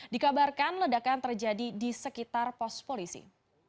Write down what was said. dikabarkan ledakan terjadi di sekitar pos polisi